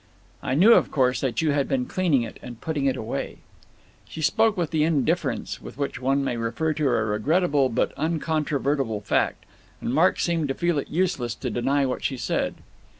I knew, of course, that you had been cleaning it and putting it away." She spoke with the indifference with which one may refer to a regrettable but incontrovertible fact, and Mark seemed to feel it useless to deny what she said.